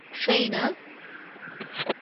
ޓްރެއިނަރ